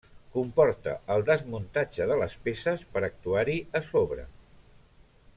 Comporta el desmuntatge de les peces per actuar-hi a sobre.